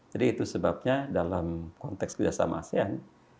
jadi itu sebabnya dalam konteks kerjasama asean